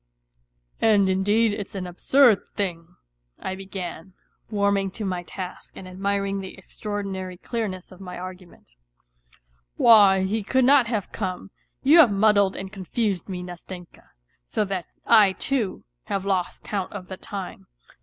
" And indeed it's an absurd thing," I began, warming to my task and admiring the extraordinary clearness of my argument, " why, he could not have come ; you have muddled and confused me, Nastenka, so that I too, have lost count of the time.